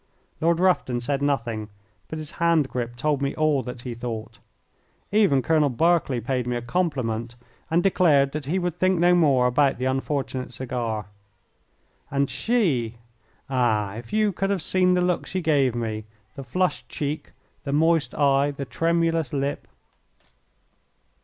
Lord Rufton said nothing, but his hand grip told me all that he thought. Even Colonel Berkeley paid me a compliment, and declared that he would think no more about the unfortunate cigar. And she ah, if you could have seen the look she gave me, the flushed cheek, the moist eye, the tremulous lip!